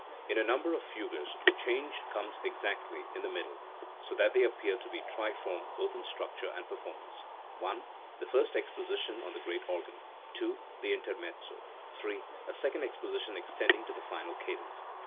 In a number of fugues the change comes exactly in the middle, so that they appear to be triform both in structure and performance: (i) the first exposition on the great organ; (2) the intermezzo; (3) a second exposition extending to the final cadence.